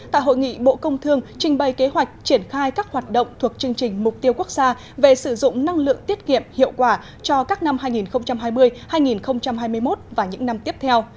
tại hội nghị bộ công thương trình bày kế hoạch triển khai các hoạt động thuộc chương trình mục tiêu quốc gia về sử dụng năng lượng tiết kiệm hiệu quả cho các năm hai nghìn hai mươi hai nghìn hai mươi một và những năm tiếp theo